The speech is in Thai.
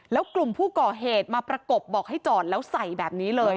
แล้วกลุ่มผู้ก่อเหตุมาประกบบอกให้จอดแล้วใส่แบบนี้เลย